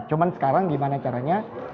cuman sekarang gimana caranya